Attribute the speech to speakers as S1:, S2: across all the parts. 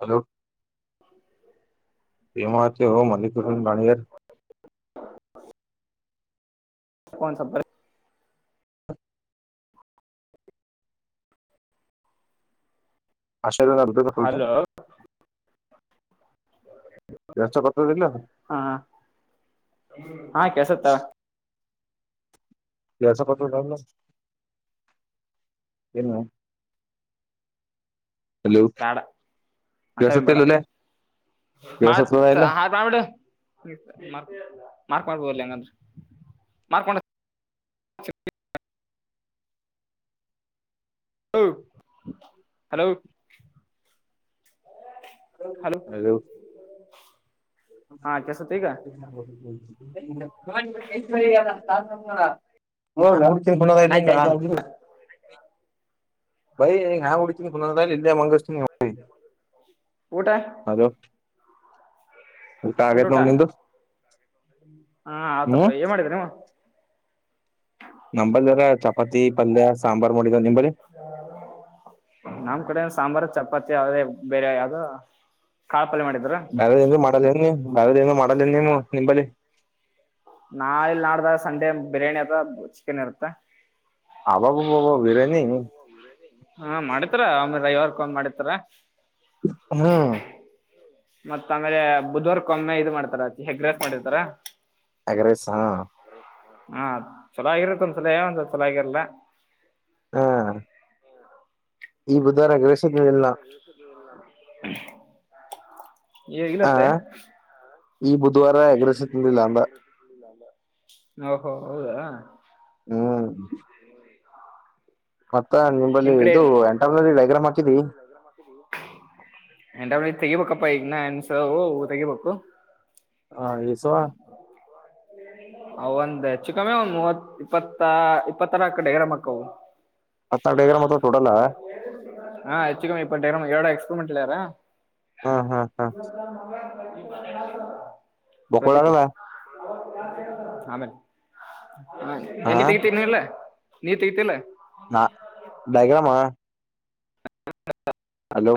S1: Hello ಮಾಡತ ಮಣಪೂರನ್ ಬಾಣಿಯರ್
S2: ಬ ಕನ್ಸಬ್ ಬರ್
S1: ಆಶೇ ನಬದ ಪ್ರಕಲ್ತ
S2: ಹಲೋ ಹಾ ಹಾ ಕಸತ
S1: ಎಸ ಪತ್ರ ಏನು ಹಲೋ
S2: ಬೇಡ ಅಂತ
S1: ಕೆಳ್ಸತ್ತ
S2: ಬೇಡ
S1: ಇಲ್ಲಲ್ಲೇ
S2: ಮಾಡತ್
S1: ಕೆಳ್ಸತ್ತದ ಇಲ್ಲ
S2: ಮಾಡ್ಬಿಡು ಮಾರ್ಕ್ ಮಾಡ್ಬೋದಲ್ಲ ಹೆಂಗಂದೆ ಮಾರ್ಕ್ ಮಾಡ ಹಲೋ ಹಲೋ
S1: ಹಲೋ
S2: ಹಾ ಕೆಸತ್ ಈಗ
S1: [inaudible] ಇ ನ ಹ್ಮ ನಮ ಹ ಬೈನ್ ಹಾ ಮುಡತು ಇಲ್ಲಿಾ ಮಂಗಷ್ಟ ಹ
S2: ಊಟ ಊಟ
S1: ಆಗೇತ್
S2: ಊಟ
S1: ನೋಡ್ ನಿಂದು
S2: ಹಾ ಆತಪ್ಪ
S1: ಹ್ಮ್
S2: ಏನ್ ಮಾಡಿದ ನೀ
S1: ಪತಿ ಪಲ್ ಸಾಂಬಾರ
S2: ನಮ ಕಡೆ ಸಾಂಬಾರ ಚಪಾತಿ ಯಾದೇ ಬೇರೆ ಯಾವವುೋ
S1: ಬ್ಯಾರೆದಿದ್ರೆ ಮಾಡಲ್ವೇನು ನೀನು ಬ್ಯಾರೇನ್ ಮಾಡೋದಿಲ್ಲ ನೀವು ನಿಂಬಲ್ಲಿ
S2: ನಾಳೆ ಇಲ್ ನಾಡ್ದಾಸಂಡೆ ಬಿರಿಯಾನಿ ಅಥವಾ ಚಿಕನ್ ಇರುತ್ತೆ
S1: ಹಬಬ ಬಬಬಿರಿಯಾನಿ
S2: ಯರ್ಕಂದ್ ಮಾಡಿತಾರ
S1: ಹಾ
S2: ಮತ್ತ ಆಮೇಲೆ ಮುದ್ವಾರ್ಕೊಮ್ಮೆ ಇದು ಮಾಡ್ತಾರ ಎಗ್ ರೈಸ್ ಮಾಡಿರ್ತಾರ
S1: ಎಗ್ರೆಸ
S2: ಹಾ ಚಲೋ ಆಗಿರ್ತೈತೆ ಒಂದು ಸಲ ಚಲೋ ಆಗಿರಲ್ಲ
S1: ಹಾ ಈ ಬುಧವಾರ ಎಗ್ ರೈಸ್ ಏನಿಲ್ಲ
S2: ಏ ಇರುತ್ತೆ
S1: ಈ ಬುಧವಾರ ಬುಧವಾರ ಎಗ್ ರೈಸ್ ತಿಂದಿಲ್ಲ ಅಂಗ
S2: ಓಹೋ ಹೌದಾ
S1: ಹ್ಮ ಮತ್ತ ನಿಮ್ಮಲ್ಲಿ
S2: ನಿಮ್ ಕಡೆ
S1: ಇದು ಎಂಕಟೈನ್ಮೆಂಟ್ ಪ್ರೋಗ್ರಾಮ್ಗ್ರಾಮ್ ಹಚ್ಚಿದಿ
S2: ತೆಗಿಬೇಕಪ್ಪಾ ಇದನ್ನ ಅನ್ಸ ಹೊ ತೆಗಿಬೇಕು
S1: ಹಾ ಈ ಸವಾ
S2: ಅವ ಒಂದ್ ಹೆಚ್ಚುಕ್ಕಮ್ಮಿ ಒಂದ್ ಮೂವತ್ ಇಪ್ಪತ್ತ ಇಪ್ಪತ್ತರ ಕಡೆ ಡೈರಮಕವು
S1: ಹತ್ತನ್ನೆರಡು ಟೆಲಿಗ್ರಾಮ್ ಆತಾವುಟೋಟಲ್
S2: ಹಾ ಹೆಚ್ಚು ಕಮ್ಮಿ ಇಪ್ಪತ್ತೆರಡು ಎಕ್ಸ್ಪಿರಿಮೆಂಟ್ ಏಳರ
S1: ಹ್ಮ್ ಹ್ಮ್ ಹ್ಮ್
S2: ಇಪ್ಪತ್ತೆರಡ
S1: ಮೊಕ್ಕಳದಾಲ
S2: ಆಮೇಲೆ
S1: ಹ
S2: ಎನ್ ಈ ಪೀ ಪೀ ನಾ ಅಲ್ಲಾ ನೀ ತಿಥಿಲ
S1: ನಾ ಡೈಗ್ರಾಮಾ ಹಲೋ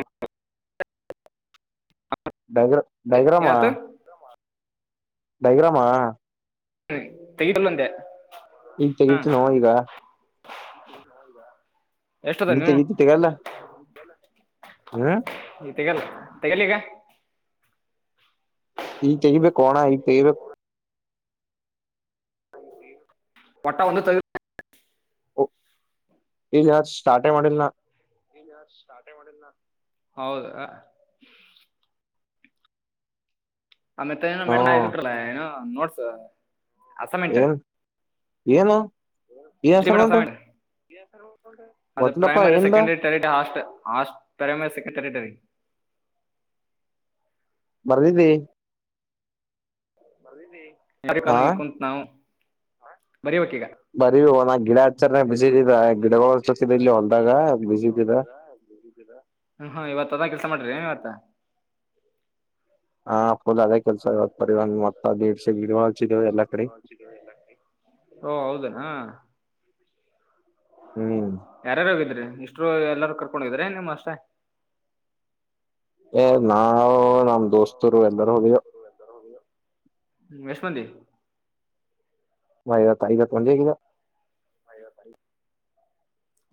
S1: ಡೈ
S2: ಏ,
S1: ಡೈಗ್ರಾಮ
S2: ಏನಾತು
S1: ಡೈಗ್ರಾಮಾ
S2: ಹ್ಮ್ ತೈಟಲ್ಲಂದೆ
S1: ಈಗ ತೆಗೀತಿ ನೋ ಈಗ
S2: ಹೌದ
S1: ನೀತ್ತಗತ್ತಗಲ್ಲ ಹ್ಮ
S2: ತಗಲಿಗ
S1: ಈ ತೈಬೇಕ ಕೋಣ ಈ ತೈಬೇಕ
S2: ಪಟ್ಟಾ ಒಂದು ತೆಗೆ
S1: ಇ ಯಾರ ಸ್ಟಾರ್ಟೆ ಮಾಡಲ್ ನ
S2: ಸ್ಟಾರ್ಟ್ ಹೇ ಮಾಡಿಲ್ಲ ನಾ ಹೌದ ಆಮೇತ್ತ ಏ ಮ್
S1: ಹ್ಮ
S2: ಬಿಟ್ಟಲ್ಲಏನು ಹ ನೋಡ್ಸ ಹಸ ಮಿಟ
S1: ಏನ್ ಏನು ಈ ಹೆಸರ್ಮಂಟ
S2: ಅ
S1: ಗೊತ್ತಿಲ್ಲಪ್ಪಾ
S2: ಪ್ರೈಮರಿ
S1: ಏನ್ದ
S2: ಸೆಕಂಡೈಮರಿಟೆಟರಿ
S1: ಬರ್ದಿದ್ದಿ
S2: ಬರ್ದಿದಿ ಯಾರ
S1: ಹಾ
S2: ಕದ ಕುಂು ನವು ಹಾ ಬರಿಬೇಕೀಗ
S1: ಬರೀ ನಾ ಗಿಡ ಹಚ್ಚಾರ ಬಿಸಿದ ಗಿಡಗಳು ಹಚ್ಚೋತಿದ ಇಲ್ಲಿ ಹೊಲ್ದಾಗ ಬಿಸಿದ
S2: ಇವತ್ತದ ಕೆಲ್ಸ ಮಾಡ್ರಿ [inaudible]
S1: ಹಾ ಫುಲ್ ಅದ ಹಚ್ಚಿದೇವು ಎಲ್ಲಾ ಕಡೆ
S2: ಓ ಹೌದನಾ [unintelligible] [inaudible]
S1: ಹ್ಮ್
S2: ಯಾರಾರು ಹೋಗಿದ್ರಿ ಇಷ್ಟರು ಎಲ್ಲಾರೂ ಕರ್ಕೊಂಡಿದ್ರ ನಿಮ್ಮ್ ಅಷ್ಟೆ
S1: ಏ ನಾವವು ನಮ ದೋಸ್ತರು ಎಲ್ಲರೂ ಹೋಗ
S2: ಯಶು ಮಂದಿ
S1: ಐದತ್ತು ಐದತ್ತು ಒಂದೆ ಹೇಗಿದ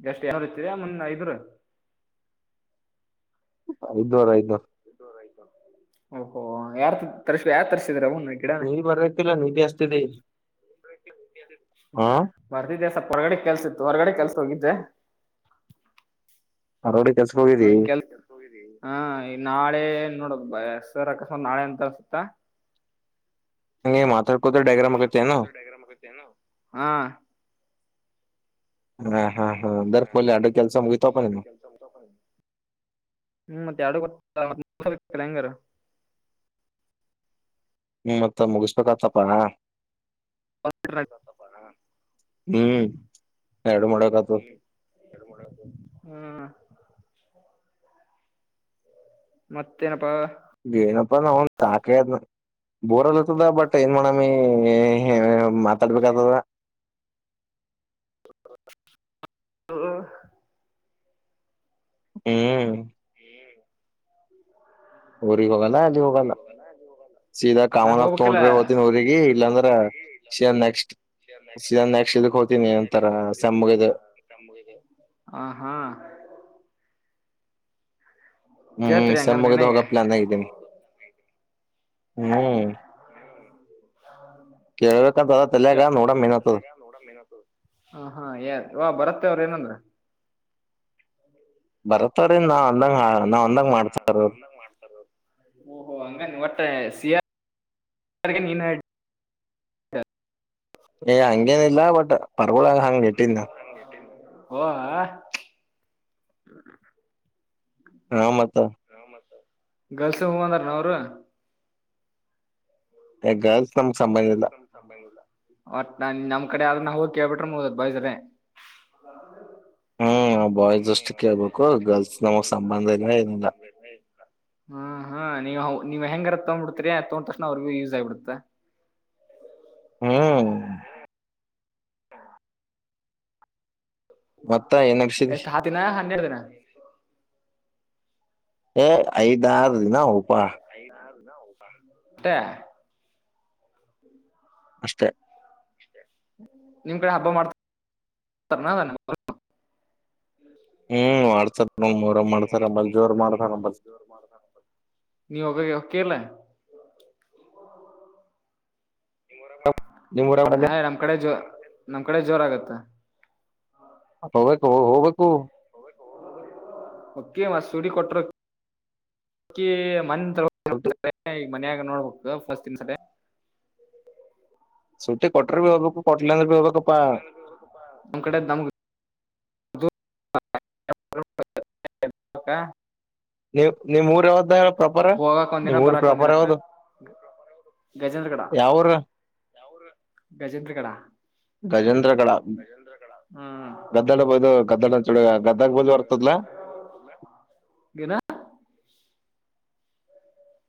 S2: ಯರಿ ಎಷ್ಟ ಇರ್ತೀರಾ ಮುನ್ನ ಐದುರು
S1: ಐದನೂರು ಐದನೂರು
S2: ಓಹೋ ಯಾರ್ ತರಸೇರ ಯಾರ ತರಸೇರ
S1: ಮತ್ತ ನೀರ್ ಬರತಿಲ್ಲ ನೀದ ಅಷ್ಟ ತಡಿ
S2: ಮರ್ದಿದ್ದೆ ಸ್ವಲ್ಪ ಹೊರಗಡೆ ಕೆಲಸ್ ಇತ್ತು ಹೊರ್ಗಡೆ ಕೆಲಸ ಹೋಗಿದ್ದೆ
S1: ಹಲೋ ರಿ
S2: ಅದ ಕೆಲಸ ಹ ನಾಳೆ ನೋಡ ಹೆಸರು ಅಕಸ್ಮತ ನಾಳೆ ಎಂತ ಅನಸುತ್ತಾ
S1: ಹಂಗೆ ಮಾತಾಡ್
S2: ಏ ಮಾತಾಡ ಕೋತ ಡೈಗ್ರಾಮತನ ಹ
S1: ಹ್ಮ
S2: ಹ ಹ ಹ ಪ ಹ್ಮ ಮತ್ತೆ ಎರಡು ಕೇಳಂಗರ
S1: ಹ್ಮ ಮತ್ತ ಮುಗಿಸಬೇಕತ್ತಪ
S2: ಹ
S1: ಹ್ಮ್ ಎರಡು
S2: [inaudible]
S1: ಮಾಡಕತ್ತು
S2: ಹ [inaudible] ಮತ್ತೇನಪ್ಪಾ
S1: ಏನಪ್ಪ ನಾ ಒಂದು ಸಾಕ ಆಗೇದ ಬೋರಆಗಲಕ್ ಅತ್ತದ್ ಬಟ್ ಏನ್ ಮಾಡೋಮಿ ಮಾತಾಡಬೇಕ್ ಆತದ್
S2: ಹ
S1: ಹ್ಮ್
S2: ಹ್ಮ
S1: ಊರಿಗೆ ಹೋಗಲ್ಲ ಏಲ್ಲಿ ಹೋಗಲ್ಲ ಸೀದಾ
S2: ನಾ
S1: ಕಾಮನ್ಫ
S2: ಹೋಗ್ಬೇಕಿಲ್ಲ
S1: ತೊಂಡ್ರೆ ಹೋಗ್ತೀನಿ ಊಗಿ ಇಲ್ಲಾಂದ್ರ ಸೀದಾ ನೆಕ್ಸ್ಟ್ ಸೀದಾ ನೆಕ್ಸ್ಟ್ ಇದಕ್ ಹೋಗ್ತೀನಿ ಅಂತಾರ ಸೆಮ್ಮಗದು
S2: ಹ ಹಾ
S1: ಹ್ಮ್
S2: ಕೇಳ್ತ್ರಿ
S1: ಸೇಮ್
S2: ಹಂಗಂದ್ರ ನೀನ
S1: ಮುಗಿದು
S2: ಈಗ
S1: ಹೋಗ ಪ್ಲಾನ್ ಆಗ್ದೀನಿ ಹ್ಮ್ ಕೇಳ್ಬೇಕಂತ ಅದ ತಲ್ಯಾಗ ನೋಡಮ್ ಏನತದ
S2: ನೋಡ ಹ ಹಾ ಯಏನ್ ಭರತ್ ಅವ್ರ ಏನಂದ್ರ
S1: ಬರತ್ತವ್ರೀ ನಾವ್ ಅಂದಂಗ
S2: [unintelligible]
S1: ನಾವ್ ಅಂದಂಗ ಮಾಡ್ತ
S2: ನಾವ್ ಅಂದಂಗ ಮಾಡ್ತಾರ ಹತ್ತ ಅಂಗ ಅಂದ್ರ ವತ್ತ [unintelligible]
S1: ಏ ಹಂಗೇನ ಇಲ್ಲ ಬಟ್ ಹಳ ಹಂಗಂಗೆಟ್ಟಿಂದ
S2: ಓ ಆ
S1: ಹೂ ಮತ್ತ
S2: ಹೂ ಮತ್ತ ಗರ್ಲ್ಸ್ ಹೂ ಹಂದಾರ ಏನ್ ಅವರು
S1: ಹೇ ಗರ್ಲ್ಸ್ ನಮಗ್ ಸಂಬಂಧ ಇಲ್ಲ
S2: ನ ನಮ್ ಕಡೆ ಆದ [unintelligible] ಕೇಬಟ್ರ ಮೂೋದ ಬಾಯಸ್ರ
S1: ಹ್ಮ್ ಬಾಯ್ಸ್ ಅಷ್ಟು
S2: ಹ್ಮ
S1: ಕೇಳ್ಬೇಕು
S2: ಹ್ಮ ಹ
S1: ಗರ್ಲ್ಸ್ ನಮಗ್ ಸಂಬಂಧ ಇಲ್ಲ ಏನಿಲ್ಲ
S2: [unintelligible] ನೀವ ನೀವ್ ಹೆಂಗರ ತಗೊಂಡ್ಬಿಡ್ತರಿ ತಗೊಂಡ ತಕ್ಷಣ ಅವ್ರಿಗೂ ಯೂಸ್ ಆಗಿಬಿಡುತ್ತೆ
S1: ಹ್ಮ್
S2: ಹಾ
S1: ಮತ್ತ ಏನ್ ನಡ್ಸಿದಿ
S2: ಎಷ್ಟ್ ಹತ್ತನ ಹನ್ನೆರಡು ದಿನ
S1: ಏ ಐದಾರ ದಿನ ಹೋಗ
S2: ಐದಾರ ಟ
S1: ಅಷ್ಟೇ
S2: ನಿಮ್ ಕಡೆ ಹಬ್ಬ ಮಾಡ್ತತಾರ
S1: ಹ್ಮ್ ಮಾಡಡ್ತಾರ ನ ಮೂರ ಮಾಡ್ತಾರಲ್ ಜೋರ್ ಮಾಡ್ತಾರ ನಂಬಲ್
S2: ಕಲ
S1: ನಿಮ್ ಊರ
S2: ಆ್ ನಮ್ ಕಡೆ ಜೋ ನಮ್ ಕಡೆ ಜೋರ ಆಗತ್ತೆ
S1: ಹೋಗಬೇಕು ಹೋಗ್ಬೇಕು
S2: ಓಕೆ ಮಸೂಡಿ ಕೊಟರು ಮ
S1: ಸಟು
S2: ಮನ್ಯಾಗ ನೋಡ್ಬೇಕು ಫಸ್ಟ್ ದನ್ಸರಿ
S1: ಸಟ್ಟೆ ಕೊಟ್ಟ
S2: ಕಟ ನ [inaudible]
S1: ನೀವು್ ನಿಮ್ ಊರ ಯಾವ್ದ ಪ್ರಾಪರ್
S2: ಹೋಗಕ್ ಒಂದಿನ
S1: ನಿಮ್ ಊರ್
S2: ಬರಾಕ್ ಒಂದಿನ
S1: ಪ್ರಾಪರ್ ಯಾವ್ದು
S2: ಗಜೇಂದ್ರ ಕಡ
S1: ಯಾವೂರ
S2: ಯರು ಗಜೇಂದ್ರ ಕಡ
S1: ಗಜೇಂದ್ರಗಡ
S2: ರೇಂದ್ರ ಕ್ಮ
S1: ಗದ್ದಡ ಬದು ಗದ್ದಡ ಅಂತ
S2: ಗದ
S1: ಗದಗ್ ಬಲ್ ಬರ್ತದ್ಲ
S2: ಗದ್ದನ ಗ ಗ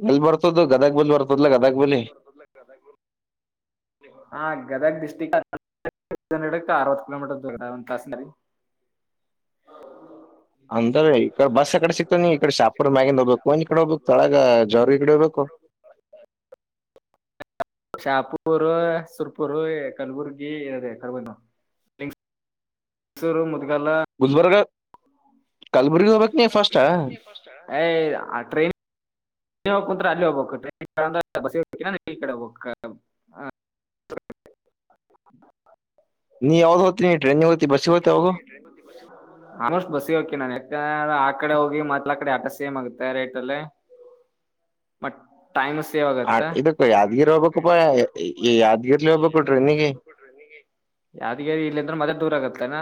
S1: ಎಲ್ಲಿ ಬರ್ತ ಗದಾಗ ಬಲಿ ಬರ್ತದಲ್ಲ ಗದಗ್ ಬಲಿ
S2: ಅರವತ್ತು ಕಿಲೋಮೀಟರ್ ದೂರ ಒಂದುಾಸ
S1: ಅಂತ್ರೆ ಈ ಬಸ್ ಕಡೆ ಸಿಕ್ತ ಮ ನೀ್ ಈ ಕಡೆ ಶಾಪರ್ ಮ್ಯಗಿಂದ ಹೋಗ್ಬೇಕು ಒನ್್ ಕಡೆ ಹೋಗ್ಬೇಕು ತೊಳಗ ಜರಿ ಕಡೆ ಹೋಗ್ಬೇಕು
S2: ಶಾಪೂರ್ ಸುರ್ಪುರು ಕಲಬುರ್ಗಿ ಇದೆ ಕರ್ಬಸೂ
S1: ಗುಜಬರ್ಗ
S2: ಆ ್ರೇನ್ ಹ ಕುಂತ ಅಲ್ಲಿ ಹೋಗ್ಬೇಕು ಟ್ರೈನ್ ಕ್ರ ಬಸ್ಿಗೆ ಹ ಈ ಕಡೆ ಹೋಗಬೇಕ
S1: ನೀ ಯಾವ್ದ್ ಹೋಗ್ತಿ ನೀ ಟ್ರೈನಿಗೆ ಹೋಗ್ತಿ ಬಸ್ಸಿಗೆ ಹೋಗ್ತಿ ಯಾವಾಗ
S2: ಆಲ್ಮೋಸ್ಟ್ ಬಸ್ ಕೆ ನಾನ ಆ ಕಡೆ ಹೋಗಿ ಮತ್ತಲ ಆ ಕಡೆ ಆಟ ಸೇಮ್ ಆಗುತ್ತೆ ರೇಟ್ಲ್ಲಿ ಮಟ್
S1: ಹ ಇದಕ್ಕ ಯಾದ್ಗಿರಿ ಹೋಗ್ಬೇಕುಪ್ಪಾ ಯಾದ್ಗಿರ್ಲಿ ಹೋಗ್ಬೇಕು ಟ್ರಿ ನೀಗೆ
S2: ಅತ್ತನ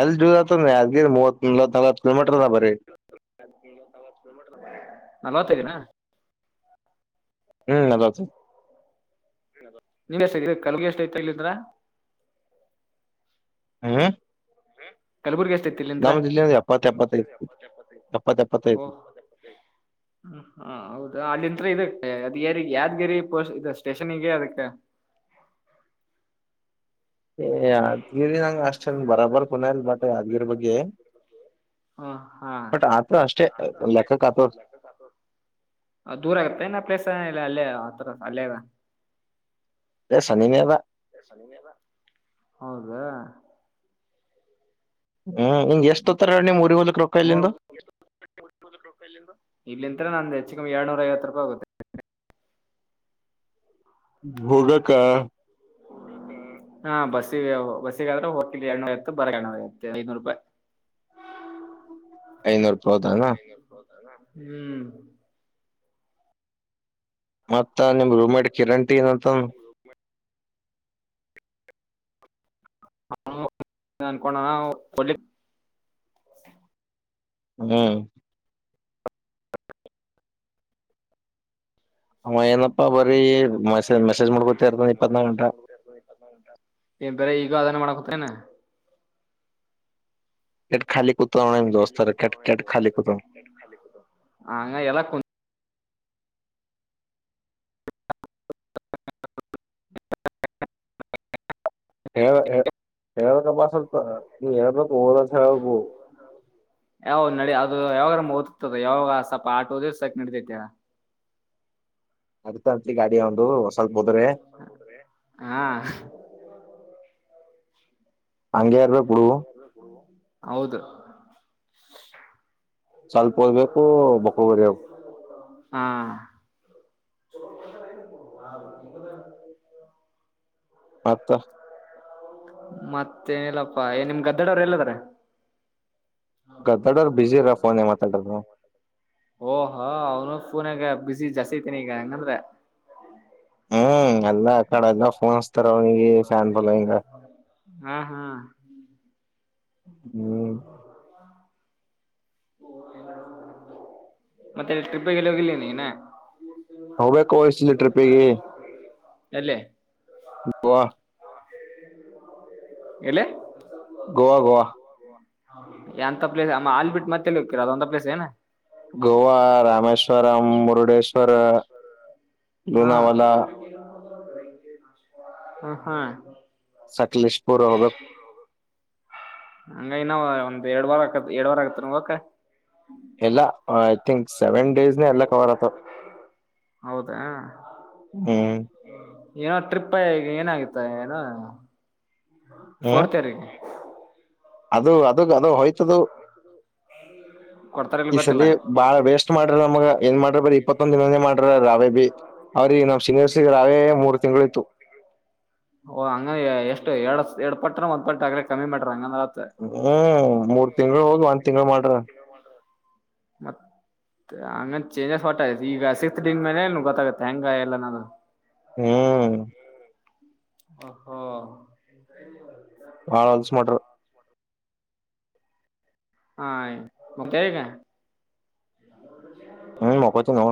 S1: ಅಲ್ಲಿೂರ ಅ ಮೂವತ್ಲ
S2: [unintelligible] ನಲ್ವತ್ತೈದಿನ
S1: ಹ್ಮ್ ಅಲ್ಲತ್ತ
S2: ಕಲಗಿ ಎಷ್ಟ ಐತ ಇಲಂದ್ರ.
S1: ಹ.
S2: ಕಲಬುರ್ಗಷ್ಟ.
S1: ಎಪ್ಪತ್ ಎಪ್ಪತ್ತೈದು ಎಪ್ಪತ್
S2: ಹ
S1: ಎಪ್ಪತ್ತೈದು
S2: ಹಾ ಹೌದ ಅಲ್ಲಿಂತ್ರ ಇದ. ಅದ್ ಯಾರ ಯಾದ್ಗರಿ ಪೋ ಇದ ಸ್ಟೇಷನ್ಿಗೆ ಅದಕ್ಕ.
S1: ಏ ಅದ ನಂಗ ಅಷ್ಟನ್ ಬರಬರ್. ಪುನಲ್ ಬಟ ಅಗರ್ ಬಗ್ಗೆ.
S2: ಹ ಹಾ
S1: ಬಟ್ ಆತ ಅಷ್ಟೇ ಲೆಕ್ಕಕ್ ಆತ
S2: ದೂರ ಆಗತ್ತೆ ಪ್ಲೇಸ್ ಅಲ್ಲ. ಮಾತ್ರ ಅಲ್ಲೇದಾ.
S1: ಏ ಸನಿನೇ ಅದ
S2: ಹೌದಾ.
S1: ಹ್ಮ್ ನಿಂಗ ಎಷ್ಟ ಹತ್ತಾರ ನಿಮ್ ಉಊರಿ ಹಲಕ್ ರೊಕ್ಕ
S2: ನೋಡು
S1: ಇಲ್ಲಿಂದು.
S2: ನಂದು್ ಹೆಚ್ಚಕ್ಏಳ್ನೂರ ಐವತ್ತು ರೂಪಾಯಿ ಹೋಗುತ್ತೆ.
S1: ಭೋಗಕ.
S2: ಹಾ ಬಸ್ಿಗೆ ಬಸ್ಸಗಾದ್ರೆ ಹೋಟಲ್ ಎನೂ ಇತ್ತು ಬರ ಎೂರತ್ತು ಐನೂರು ರೂಪಾಯಿ.
S1: ಐನೂರು. ಹೌದಾನ.
S2: ಹ್ಮ್.
S1: ಮತ್ತ ನಿಮ್ ರೂಮ್ ಮೇಟ್ ಕಿರಣಂಟಿ ಏನಂತ.
S2: ಹ ಅನ್ಕೋೊಂಡ.
S1: ಹ್ಮ್. ಹಏನಪ್ಪ. ೀ ಮಸ ಮೆಸೇಜ್ ಮಾಡಕೊತ್ತರ್ತ ಇಪ್ಪತ್ನಾ ಗಂಟ.
S2: ತ್ತನಾ.
S1: ಎಾಲಿ ಕು.
S2: ಖಾಲಾಲಟ್ಟಂಗ ಎಲ್ಲ. ಹ್ಮ್ಮ್.
S1: ಹೇ ಹೇರ್ ಕ ಬಸಲ್ ನೀ ಹೇರ್ ಓರ ಹಬ.
S2: ಯಾವಾಗ ಓದ್ತದ ಯಾವಾಗ ಸ್ವಲ್ಪ ಆಟೋದ ಸಾಕ ನಡತೈತೆ.
S1: ಅದ್ಕ ಅಜ್ಜಿನ್ ಹಾಕ್ ಅ ಒಂದು ಹೊಸಲ್ಪ್ ಹೋದ್ರೆ.
S2: ಹಾ
S1: ಹಂಗೆ ಇರ್ಬೇಕ ಬಿಡು
S2: [unintelligible] ಹೌದು
S1: ಸಲ್ಪರ್ಬೇಕು ಬಕಬರಿವು
S2: ಹಾ
S1: ಮತ್ತ
S2: ಮತ್ತೇನಿಲ್ಲಪ್ಪಾ ಏ ನಿಮ್ ಗದ್ದೆಡವರ್ ಎಲ್ಲಿದಾರೆ?
S1: ಗದ್ದಾಡೋರು ಬ್ಯುಸಿ ಇದಾರ ಫೋನ್ಯಾಗ್ ಮಾತಾಡರ ಬ್ರೋ.
S2: ಓಹೊ ಅವನು ಫೋನ್ಯಗ್ ಬ್ಯುಸಿ ಜಾಸ್ತಿ ಐತನಿ ಈಗ ಹಂಗಂದ್ರ?
S1: ಹ್ಮ್ ಎಲ್ಲಾ ಆ ಕಡೆಯಿಂದ ಫೋನ ಹಸ್ತಾರ ಅವ್ರಿಗಿ ಫ್ಯಾನ್ ಫಾಲೋಇಂಗ.
S2: ಹಾ ಹಾ
S1: ಹ್ಮ್
S2: ಮತ್ತೆ ಟ್ರಿಪ್ಗೆಲ್ಲಿ ಹೋಗಿಲ್ಲ ನೀ ಇನ?
S1: ಹೋಗಬೇಕೋ ಈ ಸಲಿ ಟ್ರಿಪ್ ಪ್ಪಿಗೆ
S2: ಎಲ್ಲೇ?
S1: ಗೋವಾ
S2: ಎಲ್ಲೇ?
S1: ಗೋವಾ ಗೋವಾ
S2: ಎಂತ ಪ್ಲೇಸ್ ಅಮ ಅಲ್ಲಿ ಬಿಟ್ಟ ಮತ್ತೆ ಎಲ್ಲಿ ಹೋಕ್ಕಿರಿ ಅದೊಂದ ಪ್ಲೇಸ್ ಏನ?
S1: ಗೋವಾ, ರಾಮೇಶ್ ಶ್ವ್ರಂ ಮುರ್ಡೇಶ್ ವರ, ಲೂನಾವಾಲಾ
S2: ಹ ಹಾ
S1: ಸಕ್ಲೇಶಪುರ ಹೋಗ್ಬೇ
S2: ಹಂಗ ಇನ್ನ ಒಂದ್ ಎರಡ್ ವಾರ ಆಕತ್ ಎರಡ್ ವಾರ ಆಗತ್ತೇನ ಹೋಗಕ್ಕ.
S1: ಇಲ್ಲಾ ಐ ಥಿಂಕ್ ಸೆವೆನ್ ಡೇಸ್ನ್ಯಾಗ್ ಎಲ್ಲಾ ಕವರ್ ಆಗ್ತಾವ್
S2: ಹೌದಾ
S1: ಹ್ಮ್.
S2: ಏನೋ ಟ್ರಿಪ್ಪ ಈಗ ಏನ ಐತೊ ಏನೋ ಫೋರ್
S1: ಹ್ಮ್
S2: ತಾರಿಕ್
S1: ಅದು ಅದು ಗದು ಹೋಯ್ತದು.
S2: ಕೊಡ್ತಾರ ಇಲ್
S1: ಈ
S2: ಗೊತ್ತಿಲ್ಲ
S1: ಸದ್ದೇ ಬಾಳ ವೇಸ್ಟ್ ಮಾಡ್ರ ನಮಗ ಹೆಂಗ ಮಾಡ್ರ ಬರಿ ಇಪ್ಪತ್ತೊಂದ ದಿನೇ ಮಾಡ್ರ ರಾವೇಬಿ ಅವ್ರಗಿ
S2: ಅವ ಹಂಗ ಎಷ್ ಎರಡ್ ಎರಡ್ ಪಟ್ಟ್ರ ಒಂದ ಪಟ್ಟ ಆಗ್ಲೇ ಕಮ್ಮಿ ಮಾಡ್ರ ಹಂಗನ್ರಾ
S1: ಹ್ಮ ಮೂರ್ ತಿಂಗಳ ಹೋಗಿ ಒಂದ್ ತಿಂಗಳ ಮಾಡೇರ.
S2: ಮತ್ತ ಆಮೇಲ ಚೇಂಜಸ್ ಹೊಟ್ಟತಿ ಈಗ ಸಿಕ್ಸ್ತ್ಡಿಂಗ ಮೇಲೆ ಗೊತ್ತಾಗತ್ತೆ ಹೆಂಗ ಎಲ್ಲನ ಅನ್ನುದ
S1: ಹ್ಮ್.
S2: ಹ ಹಾ.
S1: ಹಾಳಾಸ ಮಾಡಿರ.
S2: ಹಾಗ ಹೋಗತಾ ಈಗ. [unintelligible]
S1: ಹ್ಮ್ ಮಕ್ಕೊತಿನೋ.